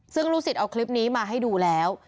ซึ่งลูกศิษย์เอาคลิปนี้มาให้ดูแล้ว